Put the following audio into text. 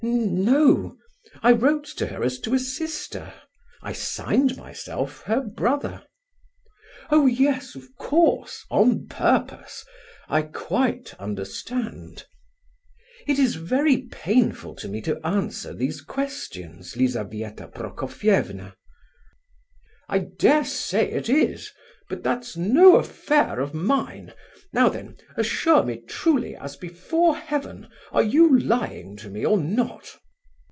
"N no! I wrote to her as to a sister; I signed myself her brother." "Oh yes, of course, on purpose! I quite understand." "It is very painful to me to answer these questions, Lizabetha Prokofievna." "I dare say it is; but that's no affair of mine. Now then, assure me truly as before Heaven, are you lying to me or not?"